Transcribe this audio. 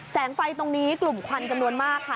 ไฟตรงนี้กลุ่มควันจำนวนมากค่ะ